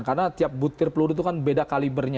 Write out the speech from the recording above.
karena tiap butir peluru itu kan beda kalibernya